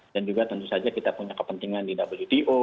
dan juga tentu saja kita punya kepentingan di wto